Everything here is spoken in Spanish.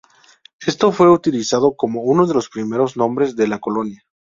Esto fue utilizado como uno de los primeros nombres de la colonia.